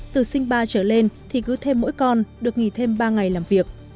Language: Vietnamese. từ sinh ba trở lên thì cứ thêm mỗi con được nghỉ thêm ba ngày làm việc